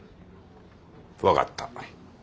分かった。